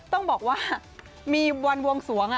ต้องบอกว่ามีวันวงสวง